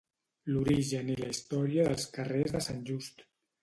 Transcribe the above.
L'origen i la història dels carrers de Sant Just